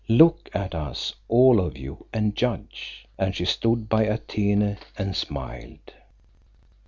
Look at us, all of you, and judge," and she stood by Atene and smiled.